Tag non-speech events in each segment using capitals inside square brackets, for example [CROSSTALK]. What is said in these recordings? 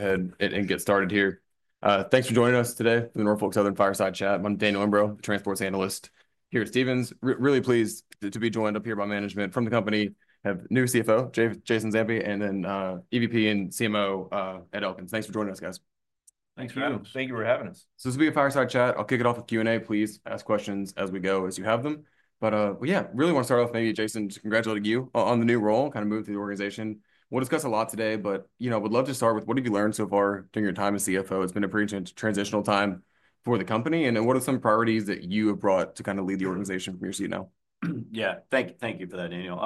Ahead and get started here. Thanks for joining us today for the Norfolk Southern Fireside Chat. I'm Daniel Imbro, the transports analyst here at Stephens. Really pleased to be joined up here by management from the company. I have new CFO, Jason Zampi, and then EVP and CMO Ed Elkins. Thanks for joining us, guys. Thanks for having us. Thank you for having us. So this will be a fireside chat. I'll kick it off with Q&A. Please ask questions as we go as you have them. But yeah, really want to start off maybe, Jason, just congratulating you on the new role, kind of move through the organization. We'll discuss a lot today, but you know I would love to start with what have you learned so far during your time as CFO? It's been a pretty transitional time for the company, and then what are some priorities that you have brought to kind of lead the organization from your seat now? Yeah, thank you for that, Daniel.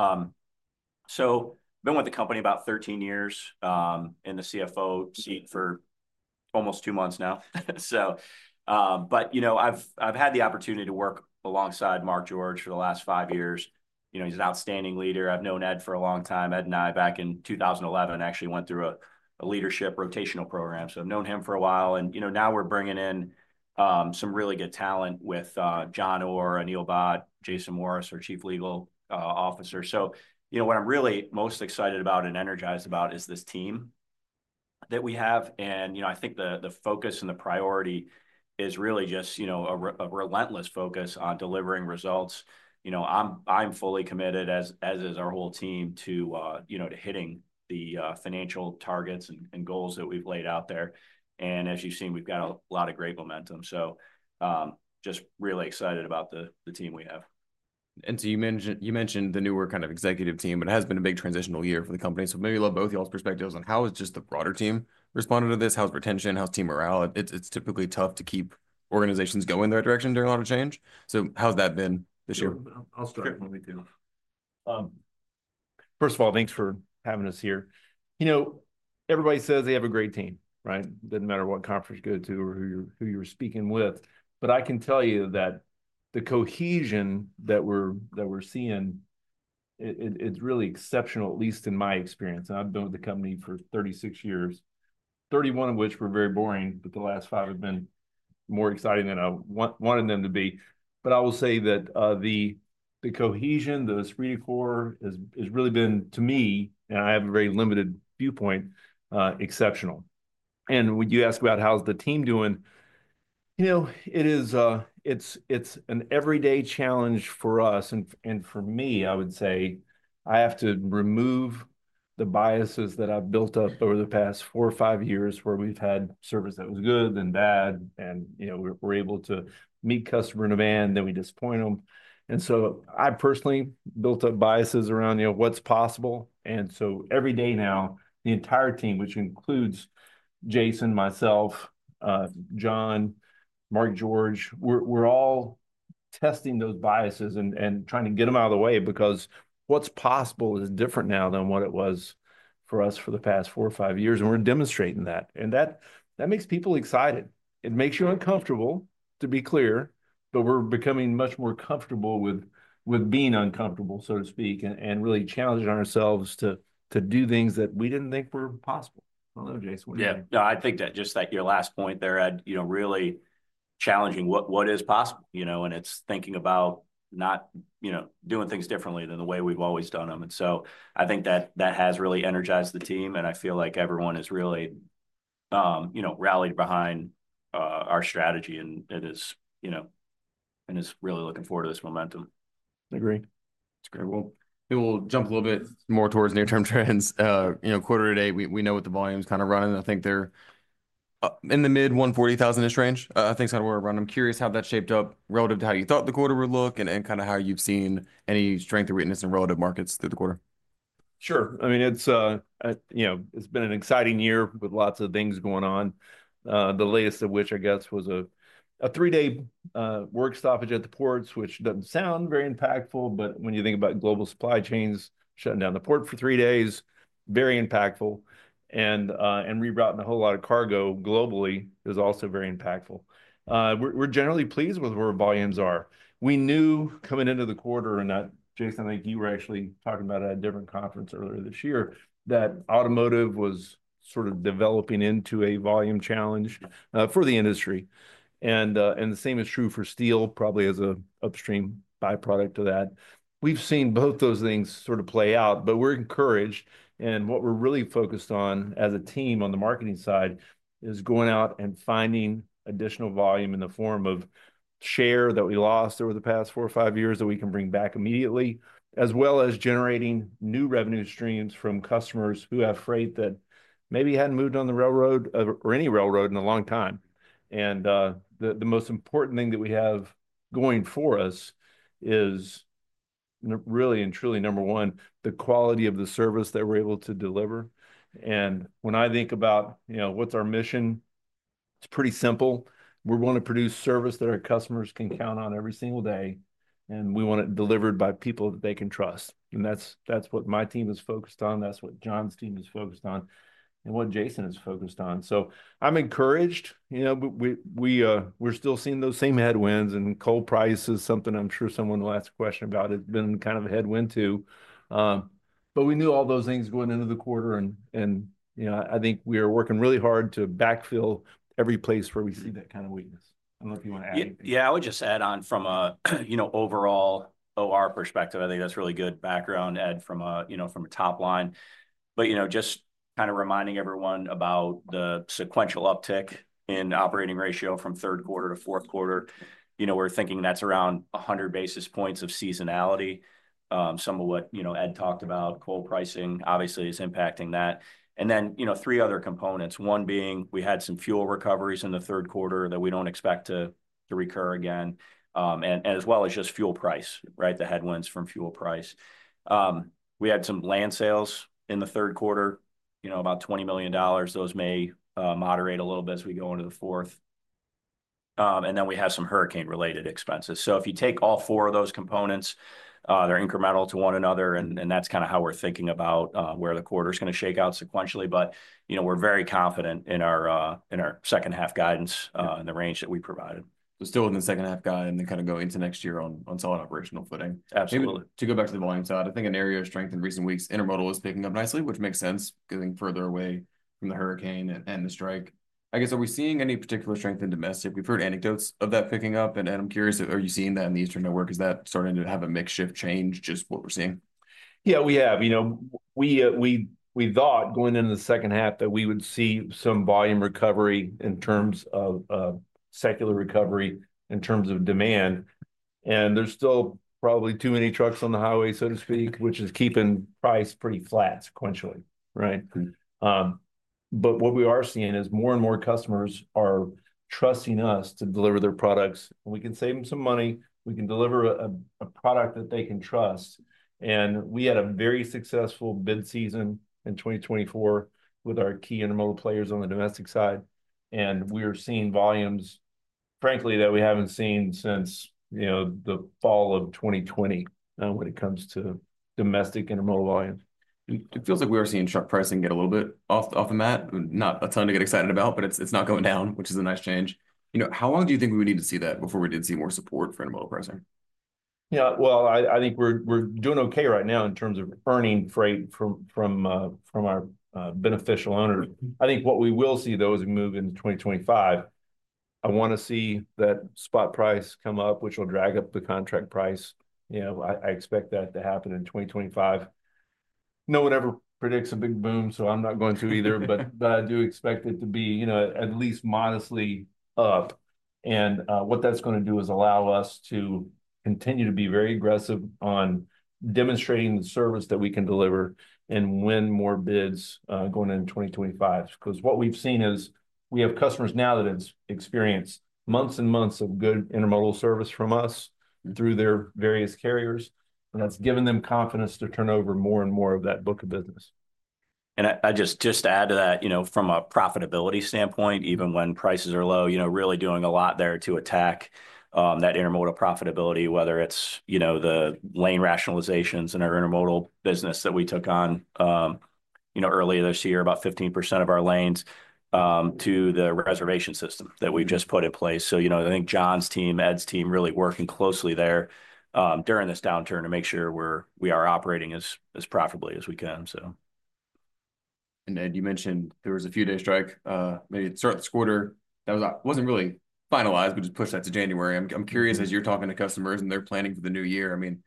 So I've been with the company about 13 years in the CFO seat for almost two months now. But you know I've had the opportunity to work alongside Mark George for the last five years. You know he's an outstanding leader. I've known Ed for a long time. Ed and I, back in 2011, actually went through a leadership rotational program. So I've known him for a while. And you know now we're bringing in some really good talent with John Orr, Anil Bhatt, Jason Morris, our Chief Legal Officer. So you know what I'm really most excited about and energized about is this team that we have. And you know I think the focus and the priority is really just, you know, a relentless focus on delivering results. You know I'm fully committed, as is our whole team, to hitting the financial targets and goals that we've laid out there. And as you've seen, we've got a lot of great momentum. So just really excited about the team we have. And so you mentioned the newer kind of executive team, but it has been a big transitional year for the company. So maybe I'd love both of y'all's perspectives on how has just the broader team responded to this? How's retention? How's team morale? It's typically tough to keep organizations going in that direction during a lot of change. So how's that been this year? I'll start if you want me to. First of all, thanks for having us here. You know everybody says they have a great team, right? It doesn't matter what conference you go to or who you're speaking with. But I can tell you that the cohesion that we're seeing, it's really exceptional, at least in my experience. And I've been with the company for 36 years, 31 of which were very boring, but the last five have been more exciting than I wanted them to be. But I will say that the cohesion, the three to four, has really been, to me, and I have a very limited viewpoint, exceptional. And when you ask about how's the team doing, you know it's an every day challenge for us. And for me, I would say I have to remove the biases that I've built up over the past four or five years where we've had service that was good and bad. And you know we're able to meet customer in demand, then we disappoint them. And so I personally built up biases around what's possible. And so every day now, the entire team, which includes Jason, myself, John, Mark George, we're all testing those biases and trying to get them out of the way because what's possible is different now than what it was for us for the past four or five years. And we're demonstrating that. And that makes people excited. It makes you uncomfortable, to be clear. But we're becoming much more comfortable with being uncomfortable, so to speak, and really challenging ourselves to do things that we didn't think were possible. I don't know, Jason. Yeah, no, I think that your last point there, Ed, really challenging what is possible, you know, and it's thinking about not doing things differently than the way we've always done them, and so I think that has really energized the team, and I feel like everyone has really rallied behind our strategy, and it is really looking forward to this momentum. Agreed. That's great. Well, maybe we'll jump a little bit more towards near-term trends. You know, quarter to date, we know what the volume's kind of running. I think they're in the mid 140,000-ish range, I think is kind of where we're running. I'm curious how that shaped up relative to how you thought the quarter would look and kind of how you've seen any strength or weakness in relative markets through the quarter. Sure. I mean, it's been an exciting year with lots of things going on, the latest of which, I guess, was a three-day work stoppage at the ports, which doesn't sound very impactful. But when you think about global supply chains shutting down the port for three days, very impactful. And reroute a whole lot of cargo globally is also very impactful. We're generally pleased with where volumes are. We knew coming into the quarter, and Jason, I think you were actually talking about it at a different conference earlier this year, that automotive was sort of developing into a volume challenge for the industry. And the same is true for steel, probably as an upstream byproduct of that. We've seen both those things sort of play out. But we're encouraged. And what we're really focused on as a team on the marketing side is going out and finding additional volume in the form of share that we lost over the past four or five years that we can bring back immediately, as well as generating new revenue streams from customers who have freight that maybe hadn't moved on the railroad or any railroad in a long time. And the most important thing that we have going for us is really and truly, number one, the quality of the service that we're able to deliver. And when I think about what's our mission, it's pretty simple. We want to produce service that our customers can count on every single day. And we want it delivered by people that they can trust. And that's what my team is focused on. That's what John's team is focused on and what Jason is focused on. So I'm encouraged. You know, we're still seeing those same headwinds. And coal price is something I'm sure someone will ask a question about. It's been kind of a headwind too. But we knew all those things going into the quarter. And you know, I think we are working really hard to backfill every place where we see that kind of weakness. I don't know if you want to add. Yeah, I would just add on from an overall OR perspective. I think that's really good background, Ed, from a top line. But you know, just kind of reminding everyone about the sequential uptick in operating ratio from third quarter to fourth quarter. You know, we're thinking that's around 100 basis points of seasonality. Some of what Ed talked about, coal pricing, obviously is impacting that. And then three other components, one being we had some fuel recoveries in the third quarter that we don't expect to recur again, as well as just fuel price, right, the headwinds from fuel price. We had some land sales in the third quarter, you know, about $20 million. Those may moderate a little bit as we go into the fourth. And then we have some hurricane-related expenses. So if you take all four of those components, they're incremental to one another. And that's kind of how we're thinking about where the quarter is going to shake out sequentially. But you know, we're very confident in our second-half guidance and the range that we provided. So still in the second-half guide, and then kind of go into next year on solid operational footing. Absolutely. To go back to the volume side, I think an area of strength in recent weeks, intermodal is picking up nicely, which makes sense going further away from the hurricane and the strike. I guess, are we seeing any particular strength in domestic? We've heard anecdotes of that picking up, and I'm curious, are you seeing that in the Eastern network? Is that starting to have a mix shift change, just what we're seeing? Yeah, we have. You know, we thought going into the second half that we would see some volume recovery in terms of secular recovery in terms of demand. And there's still probably too many trucks on the highway, so to speak, which is keeping price pretty flat sequentially, right? But what we are seeing is more and more customers are trusting us to deliver their products. And we can save them some money. We can deliver a product that they can trust. And we had a very successful bid season in 2024 with our key intermodal players on the domestic side. And we are seeing volumes, frankly, that we haven't seen since the fall of 2020 when it comes to domestic intermodal volume. It feels like we are seeing truck pricing get a little bit off the mat. Not a ton to get excited about, but it's not going down, which is a nice change. You know, how long do you think we would need to see that before we did see more support for intermodal pricing? Yeah, well, I think we're doing okay right now in terms of earning freight from our beneficial owners. I think what we will see, though, as we move into 2025, I want to see that spot price come up, which will drag up the contract price. You know, I expect that to happen in 2025. No one ever predicts a big boom, so I'm not going to either. But I do expect it to be, you know, at least modestly up. And what that's going to do is allow us to continue to be very aggressive on demonstrating the service that we can deliver and win more bids going into 2025. Because what we've seen is we have customers now that have experienced months and months of good intermodal service from us through their various carriers. That's given them confidence to turn over more and more of that book of business. I just add to that, you know, from a profitability standpoint, even when prices are low, you know, really doing a lot there to attack that intermodal profitability, whether it's, you know, the lane rationalizations in our intermodal business that we took on, you know, earlier this year, about 15% of our lanes to the reservation system that we've just put in place. So you know, I think John's team, Ed's team, really working closely there during this downturn to make sure we are operating as profitably as we can, so. Ed, you mentioned there was a few-day strike maybe at the start of this quarter. That wasn't really finalized, but just pushed that to January. I'm curious, as you're talking to customers and they're planning for the new year, I mean,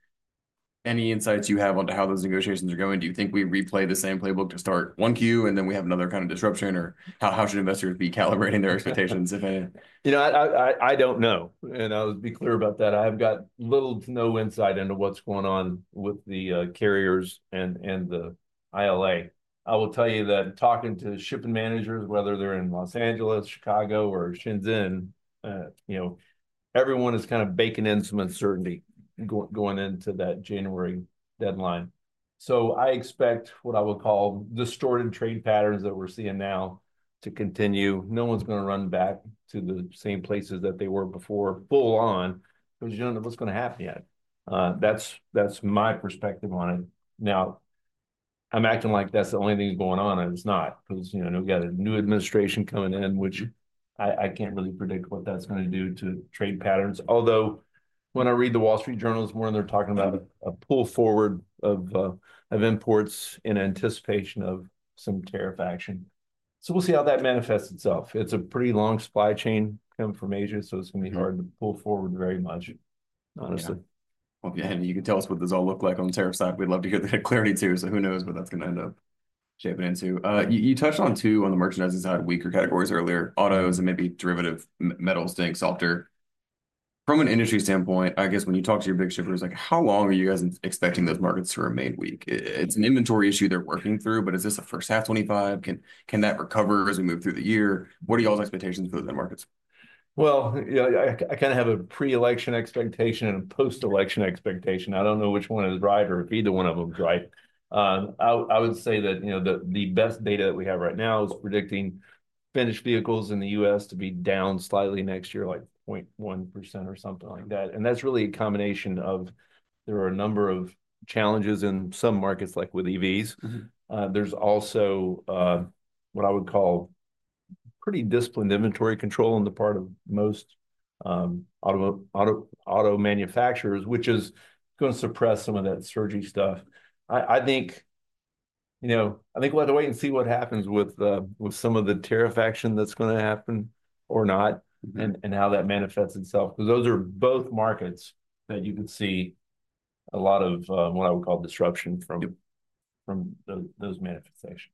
any insights you have on to how those negotiations are going? Do you think we replay the same playbook to start Q1 and then we have another kind of disruption? Or how should investors be calibrating their expectations, if any? You know, I don't know, and I'll be clear about that. I have got little to no insight into what's going on with the carriers and the ILA. I will tell you that talking to shipping managers, whether they're in Los Angeles, Chicago, or Shenzhen, you know, everyone is kind of baking in some uncertainty going into that January deadline, so I expect what I would call distorted trade patterns that we're seeing now to continue. No one's going to run back to the same places that they were before, full on, because you don't know what's going to happen yet. That's my perspective on it. Now, I'm acting like that's the only thing going on, and it's not, because we got a new administration coming in, which I can't really predict what that's going to do to trade patterns. Although when I read the Wall Street Journal this morning, they're talking about a pull forward of imports in anticipation of some tariff action. So we'll see how that manifests itself. It's a pretty long supply chain coming from Asia, so it's going to be hard to pull forward very much, honestly. Well, yeah, and you can tell us what this all looked like on the tariff side. We'd love to hear the clarity too. So who knows what that's going to end up shaping into. You touched on, too, on the merchandising side, weaker categories earlier, autos and maybe derivative, metals, tank, softer. From an industry standpoint, I guess when you talk to your big shippers, like, how long are you guys expecting those markets to remain weak? It's an inventory issue they're working through, but is this the first half 2025? Can that recover as we move through the year? What are y'all's expectations for those end markets? I kind of have a pre-election expectation and a post-election expectation. I don't know which one is right or if either one of them is right. I would say that, you know, the best data that we have right now is predicting finished vehicles in the U.S. to be down slightly next year, like 0.1% or something like that. And that's really a combination of there are a number of challenges in some markets, like with EVs. There's also what I would call pretty disciplined inventory control on the part of most auto manufacturers, which is going to suppress some of that surge stuff. I think, you know, I think we'll have to wait and see what happens with some of the tariff action that's going to happen or not and how that manifests itself. Because those are both markets that you could see a lot of what I would call disruption from those manifestations.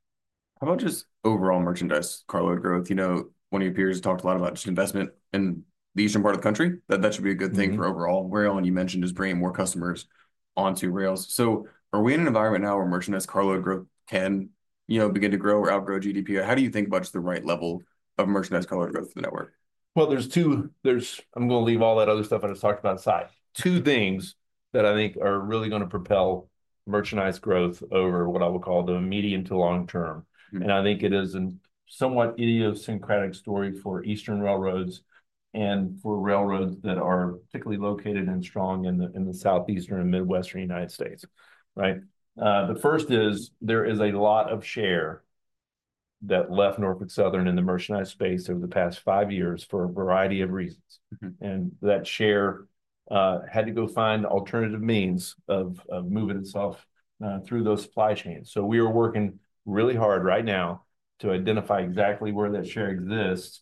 How about just overall merchandise carload growth? You know, one of your peers talked a lot about just investment in the eastern part of the country. That should be a good thing for overall rail. And you mentioned just bringing more customers onto rails. So are we in an environment now where merchandise carload growth can, you know, begin to grow or outgrow GDP? How do you think about just the right level of merchandise carload growth for the network? There's two. I'm going to leave all that other stuff I just talked about aside. Two things that I think are really going to propel merchandise growth over what I would call the medium to long term, and I think it is a somewhat idiosyncratic story for Eastern railroads and for railroads that are particularly located and strong in the Southeastern and Midwestern United States, right? The first is there is a lot of share that left Norfolk Southern in the merchandise space over the past five years for a variety of reasons, and that share had to go find alternative means of moving itself through those supply chains, so we are working really hard right now to identify exactly where that share exists,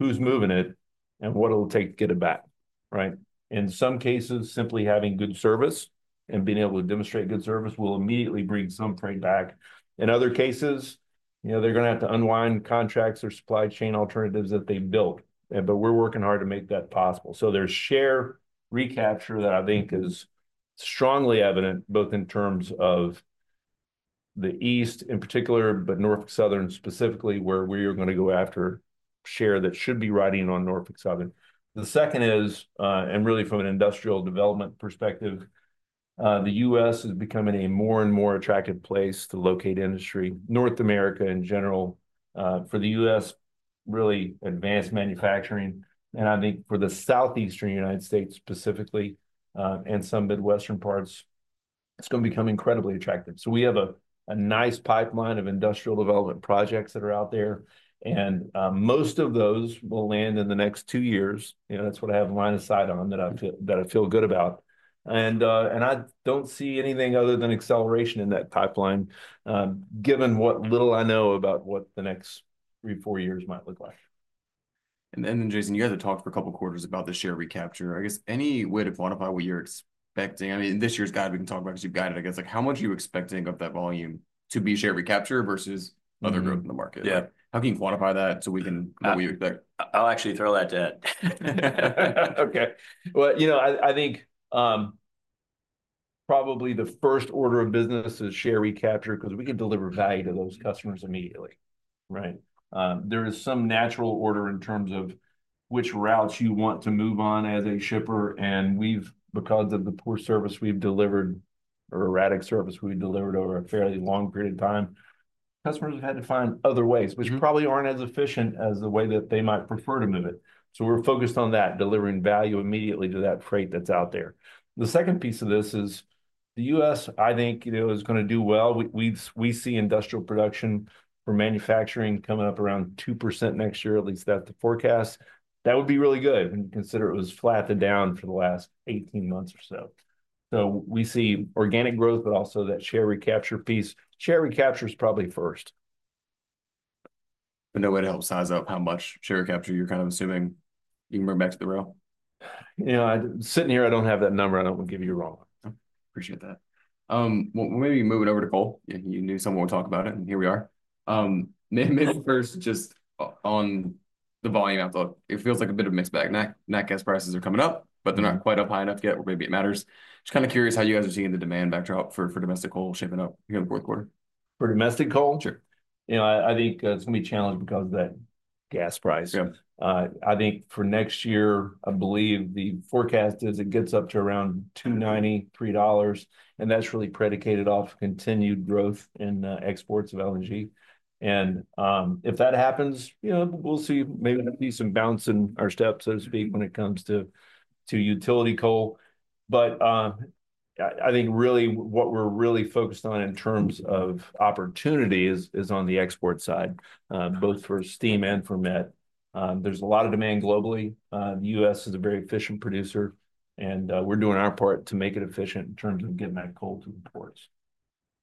who's moving it, and what it'll take to get it back, right? In some cases, simply having good service and being able to demonstrate good service will immediately bring some freight back. In other cases, you know, they're going to have to unwind contracts or supply chain alternatives that they built. But we're working hard to make that possible. So there's share recapture that I think is strongly evident both in terms of the east in particular, but Norfolk Southern specifically, where we are going to go after share that should be riding on Norfolk Southern. The second is, and really from an industrial development perspective, the U.S. is becoming a more and more attractive place to locate industry. North America in general for the U.S., really advanced manufacturing. And I think for the Southeastern United States specifically and some Midwestern parts, it's going to become incredibly attractive. So we have a nice pipeline of industrial development projects that are out there. And most of those will land in the next two years. You know, that's what I have a line of sight on that I feel good about. And I don't see anything other than acceleration in that pipeline, given what little I know about what the next three, four years might look like. Then, Jason, you had to talk for a couple of quarters about the share recapture. I guess, any way to quantify what you're expecting? I mean, in this year's guide, we can talk about because you've guided against, like, how much are you expecting of that volume to be share recapture versus other growth in the market? Yeah. How can you quantify that so we can know what you expect? I'll actually throw that to Ed. Okay. Well, you know, I think probably the first order of business is share recapture because we can deliver value to those customers immediately, right? There is some natural order in terms of which routes you want to move on as a shipper. And we've, because of the poor service we've delivered or erratic service we've delivered over a fairly long period of time, customers have had to find other ways, which probably aren't as efficient as the way that they might prefer to move it. So we're focused on that, delivering value immediately to that freight that's out there. The second piece of this is the U.S., I think, you know, is going to do well. We see industrial production for manufacturing coming up around 2% next year, at least that's the forecast. That would be really good when you consider it was flattened down for the last 18 months or so. So we see organic growth, but also that share recapture piece. Share recapture is probably first. I know it helps size up how much share recapture you're kind of assuming. You can bring back to the rail? You know, sitting here, I don't have that number. I don't want to give you a wrong one. Appreciate that. Well, maybe moving over to coal. You knew someone would talk about it, and here we are. Maybe first, just on the volume outlook, it feels like a bit of a mixed bag. Nat gas prices are coming up, but they're not quite up high enough yet, or maybe it matters. Just kind of curious how you guys are seeing the demand backdrop for domestic coal shaping up here in the fourth quarter. For domestic coal? Sure. You know, I think it's going to be challenged because of that gas price. I think for next year, I believe the forecast is it gets up to around $2.93, and that's really predicated off continued growth in exports of LNG, and if that happens, you know, we'll see maybe some bounce in our step, so to speak, when it comes to utility coal. But I think really what we're focused on in terms of opportunity is on the export side, both for steam and for meth. There's a lot of demand globally. The U.S. is a very efficient producer, and we're doing our part to make it efficient in terms of getting that coal to ports.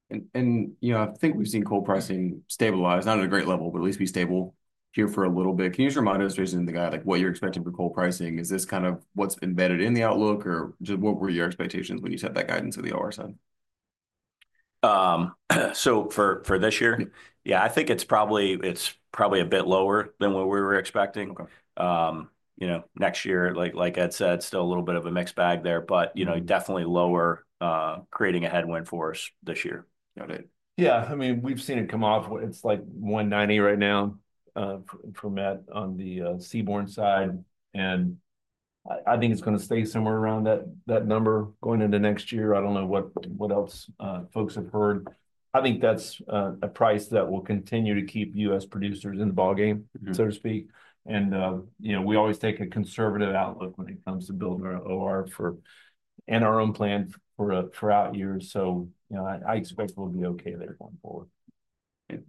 You know, I think we've seen coal pricing stabilize. Not at a great level, but at least be stable here for a little bit. Can you just remind us, Jason, the guidance, like, what you're expecting for coal pricing? Is this kind of what's embedded in the outlook? Or what were your expectations when you sent that guidance to the? [AUDIO DISTORTION] So for this year? Yeah. Yeah, I think it's probably a bit lower than what we were expecting. You know, next year, like Ed said, still a little bit of a mixed bag there. But, you know, definitely lower, creating a headwind for us this year. Got it. Yeah. I mean, we've seen it come off. It's like $190 right now for meth on the seaborne side. And I think it's going to stay somewhere around that number going into next year. I don't know what else folks have heard. I think that's a price that will continue to keep U.S. producers in the ballgame, so to speak. And, you know, we always take a conservative outlook when it comes to building our OR and our own plan for out years. So, you know, I expect we'll be okay there going forward.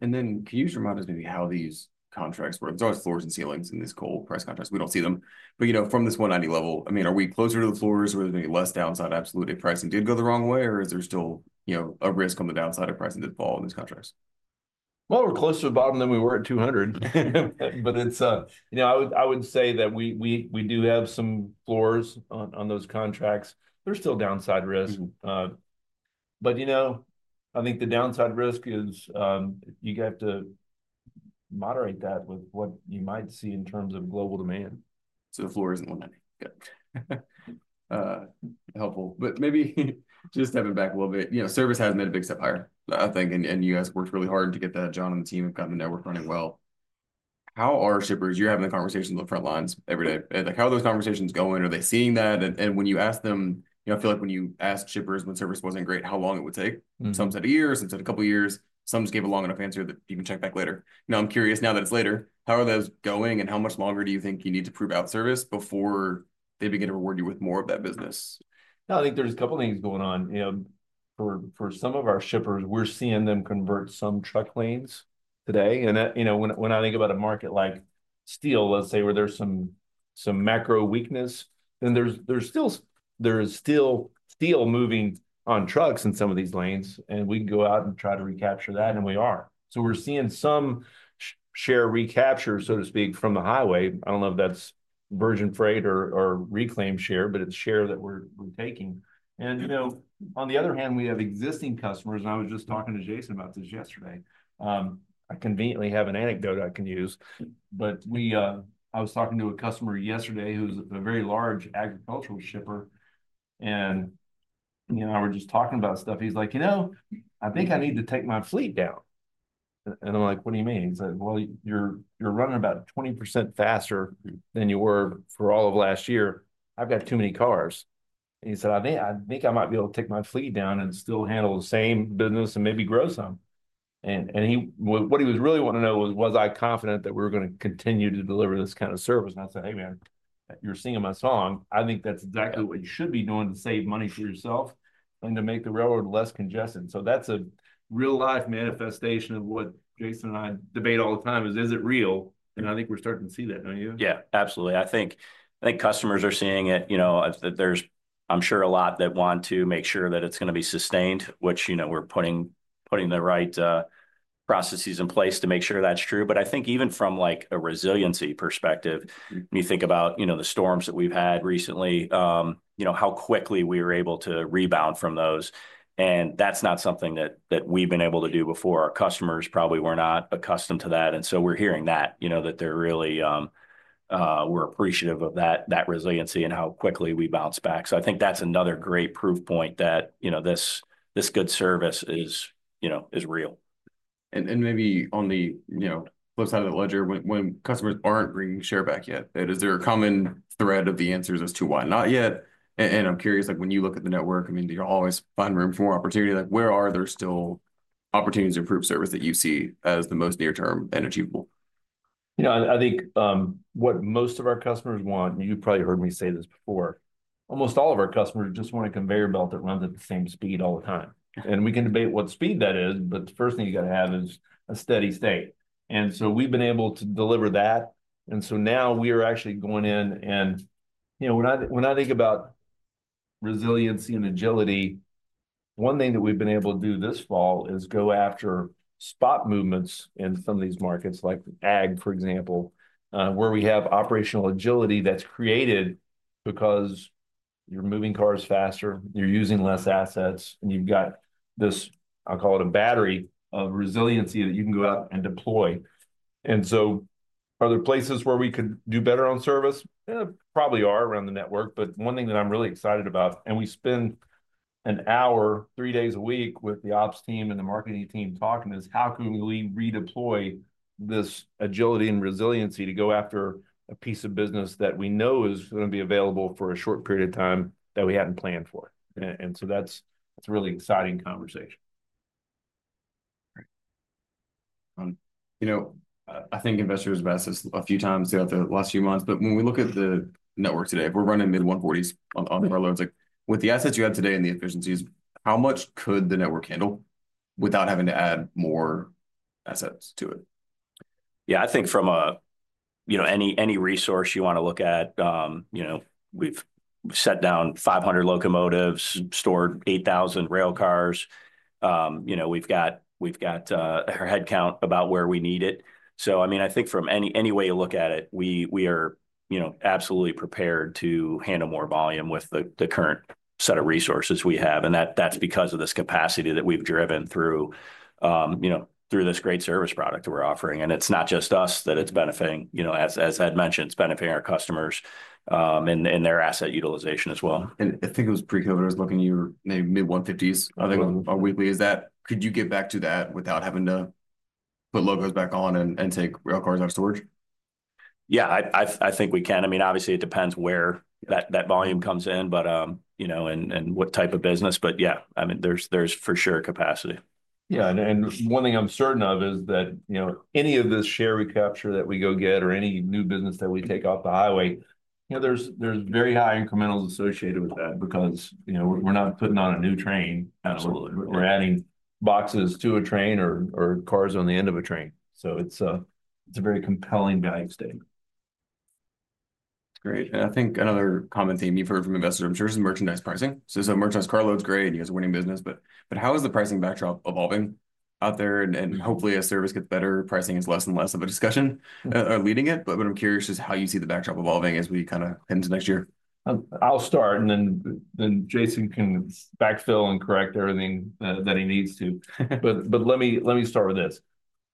And then can you just remind us maybe how these contracts work? There's always floors and ceilings in these coal price contracts. We don't see them. But, you know, from this $190 level, I mean, are we closer to the floors or is there maybe less downside absolutely if pricing did go the wrong way? Or is there still, you know, a risk on the downside of pricing to fall in these contracts? We're closer to the bottom than we were at $200, but it's, you know, I would say that we do have some floors on those contracts. There's still downside risk, but you know, I think the downside risk is you have to moderate that with what you might see in terms of global demand. So the floor isn't $190. Got it. Helpful. But maybe just stepping back a little bit, you know, service has made a big step higher. I think, and you guys worked really hard to get that, John and the team have gotten the network running well. How are shippers? You're having the conversations on the front lines every day. Like, how are those conversations going? Are they seeing that? And when you ask them, you know, I feel like when you asked shippers when service wasn't great, how long it would take? Some said a year, some said a couple of years. Some just gave a long enough answer that you can check back later. Now, I'm curious, now that it's later, how are those going? And how much longer do you think you need to prove out service before they begin to reward you with more of that business? No, I think there's a couple of things going on. You know, for some of our shippers, we're seeing them convert some truck lanes today. And, you know, when I think about a market like steel, let's say, where there's some macro weakness, then there's still steel moving on trucks in some of these lanes. And we can go out and try to recapture that, and we are. So we're seeing some share recapture, so to speak, from the highway. I don't know if that's virgin freight or reclaimed share, but it's share that we're taking. And, you know, on the other hand, we have existing customers. And I was just talking to Jason about this yesterday. I conveniently have an anecdote I can use. But I was talking to a customer yesterday who's a very large agricultural shipper. And, you know, we're just talking about stuff. He's like, you know, I think I need to take my fleet down. And I'm like, what do you mean? He's like, well, you're running about 20% faster than you were for all of last year. I've got too many cars. And he said, I think I might be able to take my fleet down and still handle the same business and maybe grow some. And what he was really wanting to know was, was I confident that we were going to continue to deliver this kind of service? And I said, hey, man, you're singing my song. I think that's exactly what you should be doing to save money for yourself and to make the railroad less congested. So that's a real-life manifestation of what Jason and I debate all the time is, is it real? And I think we're starting to see that, don't you? Yeah, absolutely. I think customers are seeing it, you know, that there's, I'm sure, a lot that want to make sure that it's going to be sustained, which, you know, we're putting the right processes in place to make sure that's true. But I think even from like a resiliency perspective, when you think about, you know, the storms that we've had recently, you know, how quickly we were able to rebound from those. And that's not something that we've been able to do before. Our customers probably were not accustomed to that. And so we're hearing that, you know, that they're really appreciative of that resiliency and how quickly we bounced back. So I think that's another great proof point that, you know, this good service is, you know, is real. And maybe on the, you know, flip side of the ledger, when customers aren't bringing share back yet, is there a common thread of the answers as to why not yet? And I'm curious, like, when you look at the network, I mean, there's always room for more opportunity. Like, where are there still opportunities to improve service that you see as the most near-term and achievable? You know, I think what most of our customers want, and you've probably heard me say this before, almost all of our customers just want a conveyor belt that runs at the same speed all the time. And we can debate what speed that is, but the first thing you got to have is a steady state. And so we've been able to deliver that. And so now we are actually going in and, you know, when I think about resiliency and agility, one thing that we've been able to do this fall is go after spot movements in some of these markets, like ag, for example, where we have operational agility that's created because you're moving cars faster, you're using less assets, and you've got this, I'll call it a battery of resiliency that you can go out and deploy. And so, are there places where we could do better on service? Probably, there are around the network. But one thing that I'm really excited about, and we spend an hour three days a week with the ops team and the marketing team talking, is how can we redeploy this agility and resiliency to go after a piece of business that we know is going to be available for a short period of time that we hadn't planned for? And so that's a really exciting conversation. You know, I think investors have asked this a few times throughout the last few months. But when we look at the network today, if we're running mid-140s on the railroads, like, with the assets you have today and the efficiencies, how much could the network handle without having to add more assets to it? Yeah, I think from a, you know, any resource you want to look at, you know, we've set down 500 locomotives, stored 8,000 rail cars. You know, we've got our headcount about where we need it. So, I mean, I think from any way you look at it, we are, you know, absolutely prepared to handle more volume with the current set of resources we have. And that's because of this capacity that we've driven through, you know, through this great service product that we're offering. And it's not just us that it's benefiting, you know, as Ed mentioned, it's benefiting our customers in their asset utilization as well. I think it was pre-COVID. I was looking. You were maybe mid-150s on weekly. Is that, could you get back to that without having to put locos back on and take rail cars out of storage? Yeah, I think we can. I mean, obviously, it depends where that volume comes in, but, you know, and what type of business. But yeah, I mean, there's for sure capacity. Yeah, and one thing I'm certain of is that, you know, any of this share recapture that we go get or any new business that we take off the highway, you know, there's very high incrementals associated with that because, you know, we're not putting on a new train. Absolutely. We're adding boxes to a train or cars on the end of a train, so it's a very compelling value statement. Great. And I think another common theme you've heard from investors, I'm sure, is merchandise pricing. So merchandise carloads great. You guys are winning business. But how is the pricing backdrop evolving out there? And hopefully, as service gets better, pricing is less and less of a discussion leading it. But I'm curious just how you see the backdrop evolving as we kind of head into next year. I'll start, and then Jason can backfill and correct everything that he needs to. But let me start with this.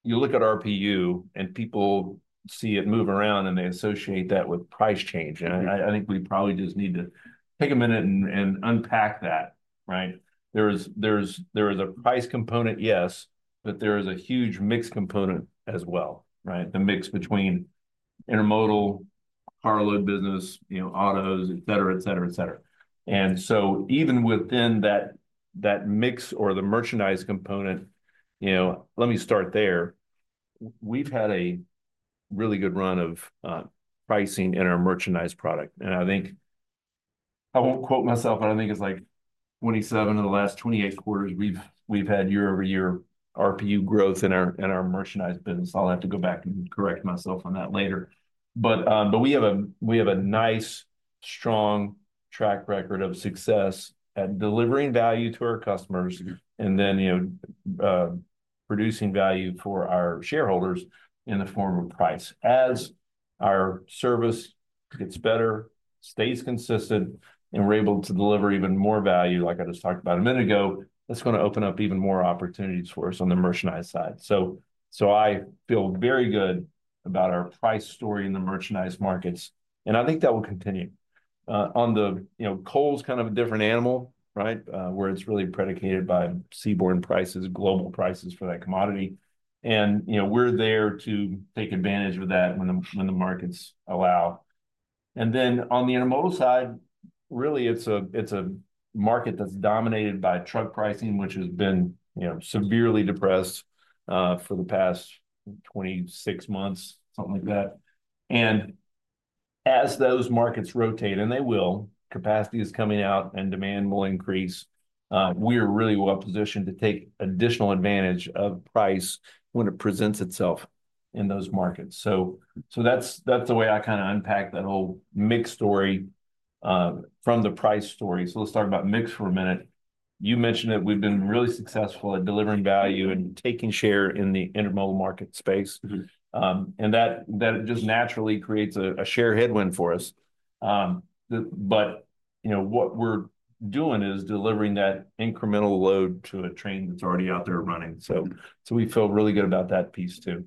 You look at RPU, and people see it move around, and they associate that with price change. And I think we probably just need to take a minute and unpack that, right? There is a price component, yes, but there is a huge mix component as well, right? The mix between intermodal, car load business, you know, autos, et cetera, et cetera, et cetera. And so even within that mix or the merchandise component, you know, let me start there. We've had a really good run of pricing in our merchandise product. And I think I won't quote myself, but I think it's like 27 of the last 28 quarters, we've had year-over-year RPU growth in our merchandise business. I'll have to go back and correct myself on that later. But we have a nice, strong track record of success at delivering value to our customers and then, you know, producing value for our shareholders in the form of price. As our service gets better, stays consistent, and we're able to deliver even more value, like I just talked about a minute ago, that's going to open up even more opportunities for us on the merchandise side. So I feel very good about our price story in the merchandise markets. And I think that will continue. On the, you know, coal is kind of a different animal, right? Where it's really predicated by seaborne prices, global prices for that commodity. And, you know, we're there to take advantage of that when the markets allow. And then on the intermodal side, really, it's a market that's dominated by truck pricing, which has been, you know, severely depressed for the past 26 months, something like that. And as those markets rotate, and they will, capacity is coming out and demand will increase, we are really well positioned to take additional advantage of price when it presents itself in those markets. So that's the way I kind of unpack that whole mix story from the price story. So let's talk about mix for a minute. You mentioned that we've been really successful at delivering value and taking share in the intermodal market space. And that just naturally creates a share headwind for us. But, you know, what we're doing is delivering that incremental load to a train that's already out there running. So we feel really good about that piece too.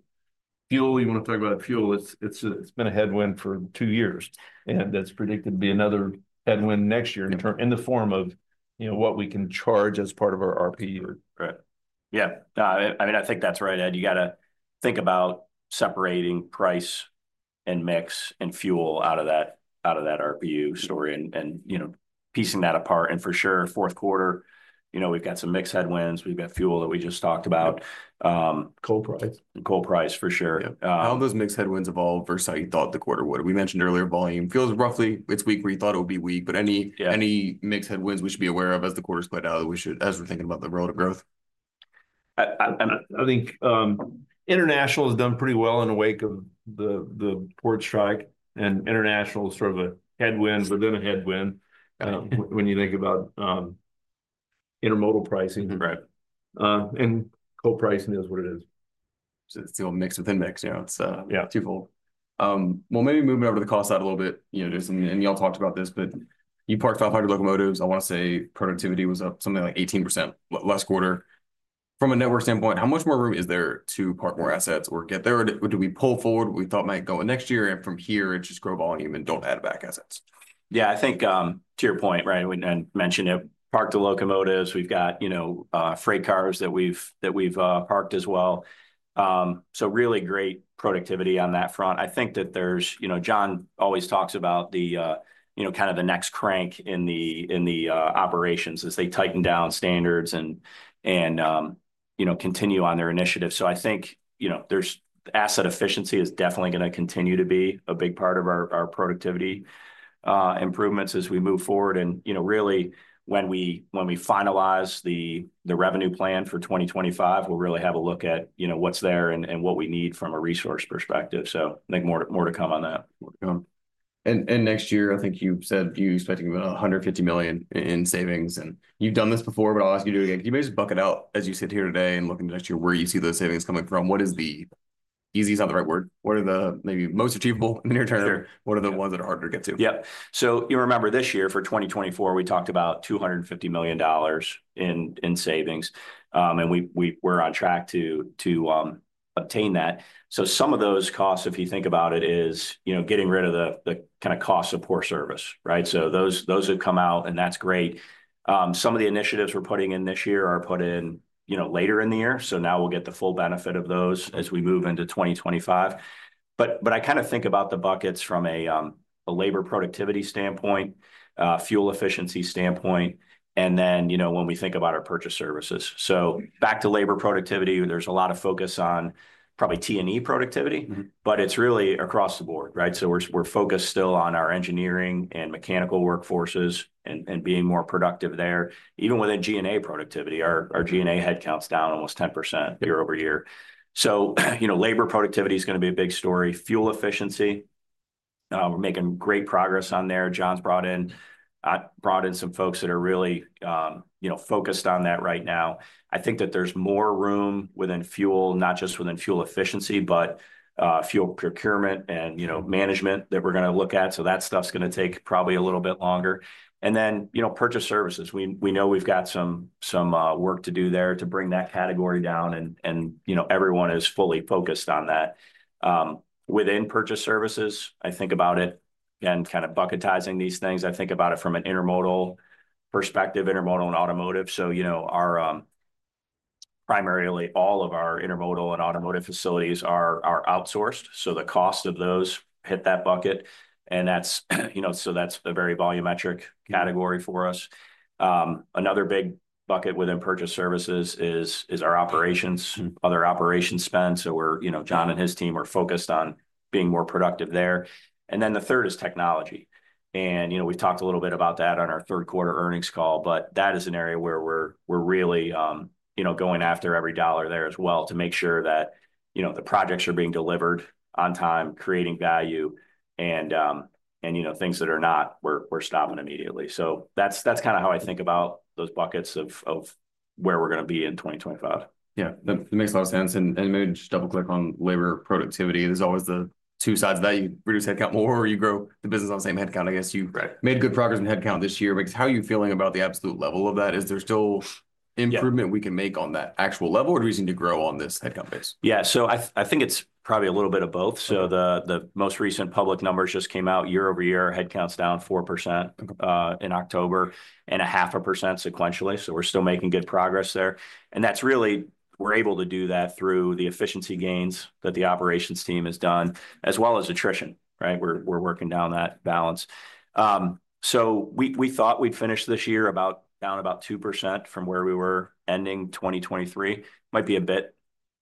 Fuel. You want to talk about fuel. It's been a headwind for two years, and that's predicted to be another headwind next year in the form of, you know, what we can charge as part of our RPU. Right. Yeah. I mean, I think that's right, Ed. You got to think about separating price and mix and fuel out of that RPU story and, you know, piecing that apart, and for sure, fourth quarter, you know, we've got some mixed headwinds. We've got fuel that we just talked about. Coal price. Coal price, for sure. How have those mixed headwinds evolved versus how you thought the quarter would? We mentioned earlier, volume. Fuel is roughly as weak as you thought it would be weak. But any mixed headwinds we should be aware of as the quarter's played out as we're thinking about the road to growth? I think International has done pretty well in the wake of the port strike. And International is sort of a headwind, but then a headwind when you think about intermodal pricing. Right. Coal pricing is what it is. So, it's still mixed within mix. You know, it's twofold. Well, maybe moving over to the cost side a little bit, you know, and y'all talked about this, but you parked 500 locomotives. I want to say productivity was up something like 18% last quarter. From a network standpoint, how much more room is there to park more assets or get there? Do we pull forward what we thought might go next year and from here just grow volume and don't add back assets? Yeah, I think to your point, right? We mentioned it. Parked the locomotives. We've got, you know, freight cars that we've parked as well. So really great productivity on that front. I think that there's, you know, John always talks about the, you know, kind of the next crank in the operations as they tighten down standards and, you know, continue on their initiative. So I think, you know, there's asset efficiency is definitely going to continue to be a big part of our productivity improvements as we move forward. And, you know, really, when we finalize the revenue plan for 2025, we'll really have a look at, you know, what's there and what we need from a resource perspective. So I think more to come on that. Next year, I think you said you're expecting about $150 million in savings. You've done this before, but I'll ask you to do it again. Can you maybe just bucket out, as you sit here today and looking next year, where you see those savings coming from? What is the easy? is not the right word. What are the maybe most achievable in the near term? What are the ones that are harder to get to? Yeah. So you remember this year for 2024, we talked about $250 million in savings. And we're on track to obtain that. So some of those costs, if you think about it, is, you know, getting rid of the kind of cost of poor service, right? So those have come out, and that's great. Some of the initiatives we're putting in this year are put in, you know, later in the year. So now we'll get the full benefit of those as we move into 2025. But I kind of think about the buckets from a labor productivity standpoint, fuel efficiency standpoint, and then, you know, when we think about our purchase services. So back to labor productivity, there's a lot of focus on probably T&E productivity, but it's really across the board, right? So we're focused still on our engineering and mechanical workforces and being more productive there. Even within G&A productivity, our G&A headcount's down almost 10% year-over-year. You know, labor productivity is going to be a big story. Fuel efficiency, we're making great progress on there. John's brought in some folks that are really, you know, focused on that right now. I think that there's more room within fuel, not just within fuel efficiency, but fuel procurement and, you know, management that we're going to look at. That stuff's going to take probably a little bit longer. Then, you know, purchased services. We know we've got some work to do there to bring that category down. You know, everyone is fully focused on that. Within purchased services, I think about it and kind of bucketizing these things. I think about it from an intermodal perspective, intermodal and automotive. So, you know, primarily all of our intermodal and automotive facilities are outsourced. So the cost of those hit that bucket. And that's, you know, so that's a very volumetric category for us. Another big bucket within purchased services is our operations, other operations spend. So we're, you know, John and his team are focused on being more productive there. And then the third is technology. And, you know, we've talked a little bit about that on our third quarter earnings call, but that is an area where we're really, you know, going after every dollar there as well to make sure that, you know, the projects are being delivered on time, creating value, and, you know, things that are not, we're stopping immediately. So that's kind of how I think about those buckets of where we're going to be in 2025. Yeah. That makes a lot of sense, and maybe just double-click on labor productivity. There's always the two sides of that. You reduce headcount more or you grow the business on the same headcount. I guess you made good progress in headcount this year. How are you feeling about the absolute level of that? Is there still improvement we can make on that actual level or do we need to grow on this headcount base? Yeah. So I think it's probably a little bit of both. So the most recent public numbers just came out. Year-over-year headcount's down 4% in October and 0.5% sequentially. So we're still making good progress there. And that's really, we're able to do that through the efficiency gains that the operations team has done, as well as attrition, right? We're working down that balance. So we thought we'd finish this year down about 2% from where we were ending 2023. Might be a bit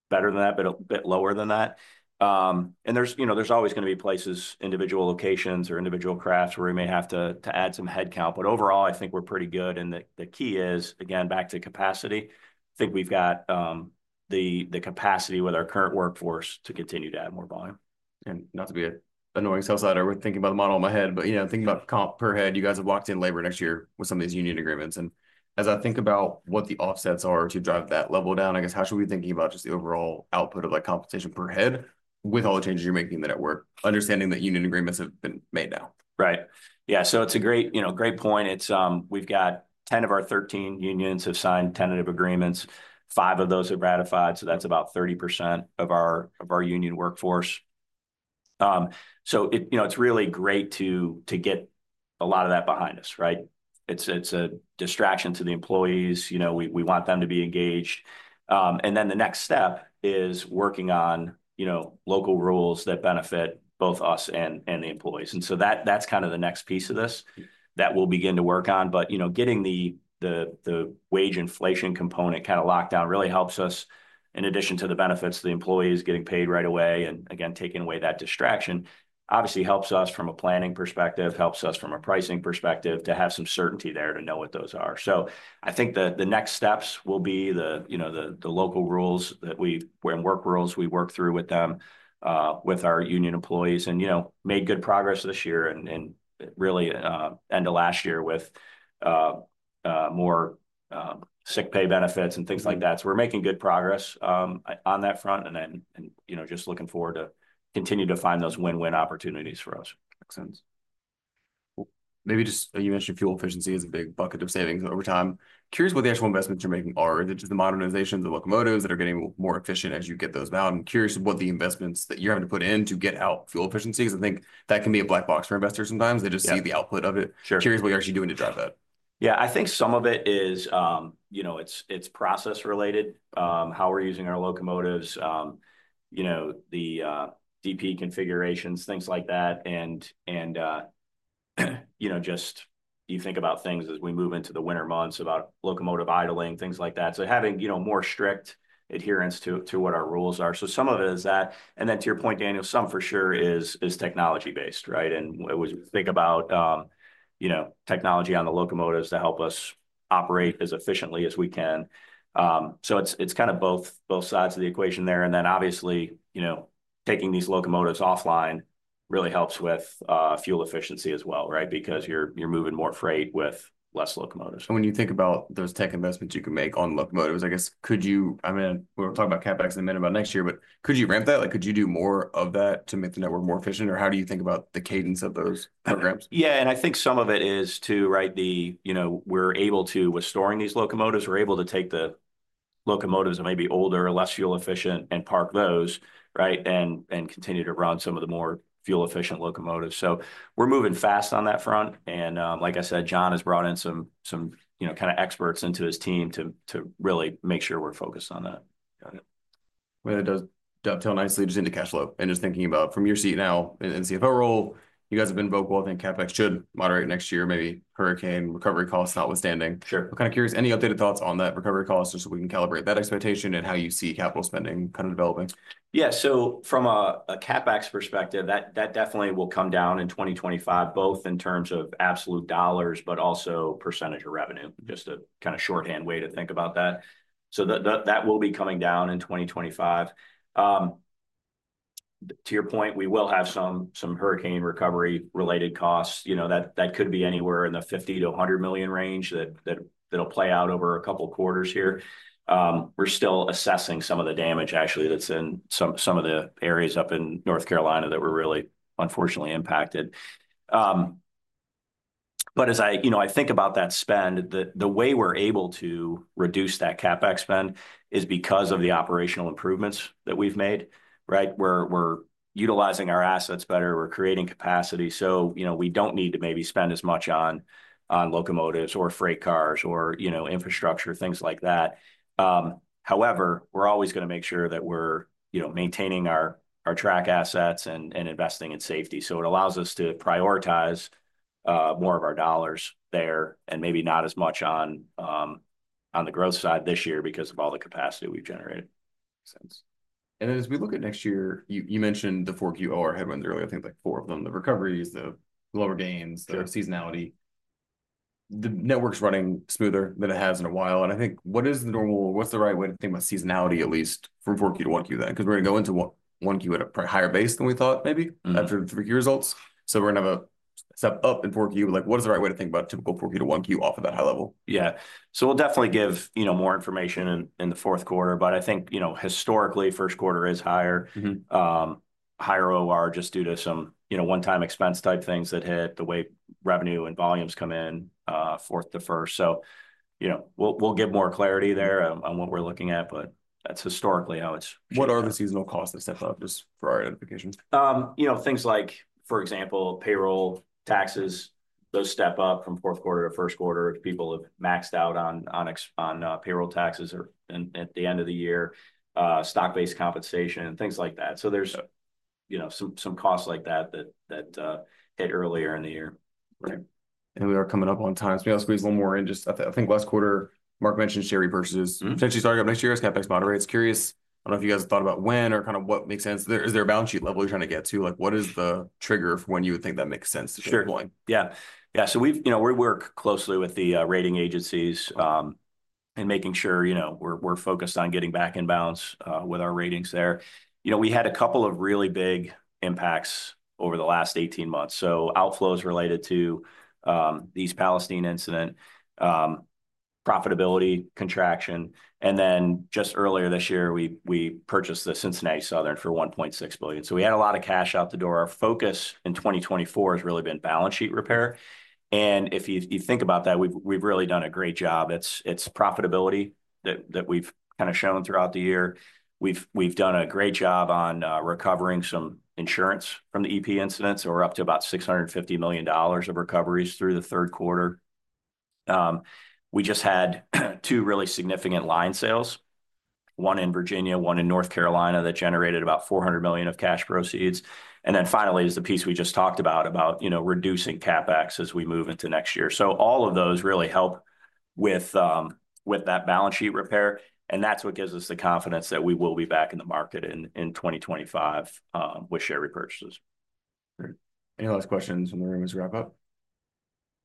better than that, but a bit lower than that. And there's, you know, there's always going to be places, individual locations or individual crafts where we may have to add some headcount. But overall, I think we're pretty good. And the key is, again, back to capacity. I think we've got the capacity with our current workforce to continue to add more volume. And not to be an annoying sales letter, we're thinking about the model in my head, but, you know, thinking about comp per head, you guys have locked in labor next year with some of these union agreements. And as I think about what the offsets are to drive that level down, I guess, how should we be thinking about just the overall output of that compensation per head with all the changes you're making in the network, understanding that union agreements have been made now? Right. Yeah. So it's a great, you know, great point. We've got 10 of our 13 unions have signed tentative agreements. Five of those have ratified. So that's about 30% of our union workforce. So, you know, it's really great to get a lot of that behind us, right? It's a distraction to the employees. You know, we want them to be engaged. And then the next step is working on, you know, local rules that benefit both us and the employees. And so that's kind of the next piece of this that we'll begin to work on. But, you know, getting the wage inflation component kind of locked down really helps us, in addition to the benefits to the employees getting paid right away and, again, taking away that distraction, obviously helps us from a planning perspective, helps us from a pricing perspective to have some certainty there to know what those are, so I think the next steps will be the, you know, the local rules that we and work rules we work through with them with our union employees, and, you know, made good progress this year and really end of last year with more sick pay benefits and things like that, so we're making good progress on that front, and then, you know, just looking forward to continue to find those win-win opportunities for us. Makes sense. Maybe just you mentioned fuel efficiency is a big bucket of savings over time. Curious what the actual investments you're making are. Is it just the modernization of the locomotives that are getting more efficient as you get those out? I'm curious what the investments that you're having to put in to get out fuel efficiency. Because I think that can be a black box for investors sometimes. They just see the output of it. Curious what you're actually doing to drive that. Yeah. I think some of it is, you know, it's process-related, how we're using our locomotives, you know, the DP configurations, things like that. And, you know, just you think about things as we move into the winter months about locomotive idling, things like that. So having, you know, more strict adherence to what our rules are. So some of it is that. And then to your point, Daniel, some for sure is technology-based, right? And we think about, you know, technology on the locomotives to help us operate as efficiently as we can. So it's kind of both sides of the equation there. And then obviously, you know, taking these locomotives offline really helps with fuel efficiency as well, right? Because you're moving more freight with less locomotives. When you think about those tech investments you can make on locomotives, I guess, could you, I mean, we'll talk about CapEx in a minute about next year, but could you ramp that? Like, could you do more of that to make the network more efficient? Or how do you think about the cadence of those programs? Yeah. And I think some of it is too, right? You know, we're able to, with storing these locomotives, we're able to take the locomotives that may be older, less fuel efficient, and park those, right? And continue to run some of the more fuel-efficient locomotives. So we're moving fast on that front. And like I said, John has brought in some, you know, kind of experts into his team to really make sure we're focused on that. Got it. It does dovetail nicely just into cash flow. Just thinking about from your seat now in CFO role, you guys have been vocal. I think CapEx should moderate next year, maybe hurricane recovery costs notwithstanding. Sure. I'm kind of curious, any updated thoughts on that recovery cost just so we can calibrate that expectation and how you see capital spending kind of developing? Yeah. So from a CapEx perspective, that definitely will come down in 2025, both in terms of absolute dollars, but also percentage of revenue, just a kind of shorthand way to think about that. So that will be coming down in 2025. To your point, we will have some hurricane recovery-related costs. You know, that could be anywhere in the $50 million-$100 million range that'll play out over a couple of quarters here. We're still assessing some of the damage, actually, that's in some of the areas up in North Carolina that were really unfortunately impacted. But as I, you know, I think about that spend, the way we're able to reduce that CapEx spend is because of the operational improvements that we've made, right? We're utilizing our assets better. We're creating capacity. So, you know, we don't need to maybe spend as much on locomotives or freight cars or, you know, infrastructure, things like that. However, we're always going to make sure that we're, you know, maintaining our track assets and investing in safety. So it allows us to prioritize more of our dollars there and maybe not as much on the growth side this year because of all the capacity we've generated. Makes sense. And then as we look at next year, you mentioned the 4Q, OR, headwinds earlier. I think like four of them, the recoveries, the lower gains, the seasonality. The network's running smoother than it has in a while. And I think what is the normal, what's the right way to think about seasonality, at least from 4Q-1Q then? Because we're going to go into 1Q at a higher base than we thought maybe after the 3Q results. So we're going to have a step up in 4Q. Like, what is the right way to think about typical 4Q-1Q off of that high level? Yeah. So we'll definitely give, you know, more information in the fourth quarter. But I think, you know, historically, first quarter is higher OR just due to some, you know, one-time expense type things that hit the way revenue and volumes come in fourth to first. So, you know, we'll give more clarity there on what we're looking at, but that's historically how it's. What are the seasonal costs that step up just for our identification? You know, things like, for example, payroll taxes, those step up from fourth quarter to first quarter if people have maxed out on payroll taxes at the end of the year, stock-based compensation, things like that. So there's, you know, some costs like that that hit earlier in the year. Right. And we are coming up on time. So we got to squeeze one more in just, I think last quarter, Mark mentioned share repurchases potentially starting up next year, as CapEx moderates. Curious, I don't know if you guys have thought about when or kind of what makes sense. Is there a balance sheet level you're trying to get to? Like, what is the trigger for when you would think that makes sense to take a point? Sure. Yeah. Yeah. So we've, you know, we work closely with the rating agencies and making sure, you know, we're focused on getting back in bounds with our ratings there. You know, we had a couple of really big impacts over the last 18 months. So outflows related to the East Palestine incident, profitability contraction. And then just earlier this year, we purchased the Cincinnati Southern for $1.6 billion. So we had a lot of cash out the door. Our focus in 2024 has really been balance sheet repair. And if you think about that, we've really done a great job. It's profitability that we've kind of shown throughout the year. We've done a great job on recovering some insurance from the EP incidents. So we're up to about $650 million of recoveries through the third quarter. We just had two really significant line sales, one in Virginia, one in North Carolina that generated about $400 million of cash proceeds. And then finally is the piece we just talked about, you know, reducing CapEx as we move into next year. So all of those really help with that balance sheet repair. And that's what gives us the confidence that we will be back in the market in 2025 with share repurchases. Great. Any last questions in the room as we wrap up?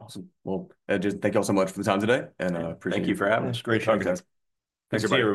Awesome. Well, Ed Elkins, thank y'all so much for the time today. Thank you for having us. It's great talking to you. Thanks everybody.